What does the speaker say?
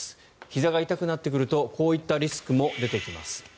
ひざが痛くなってくるとこういったリスクも出てきます。